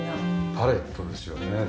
パレットですよね。